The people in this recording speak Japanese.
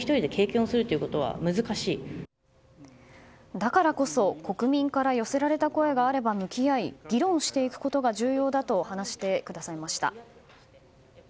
だからこそ国民から寄せられた声があれば向き合い議論していくことが重要だと話してくださいました。